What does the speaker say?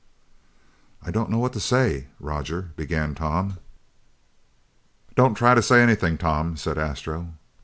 "I I don't know what to say, Roger," began Tom. "Don't try to say anything, Tom," said Astro.